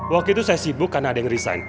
waktu itu saya sibuk karena ada yang resign